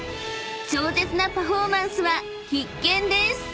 ［超絶なパフォーマンスは必見です！］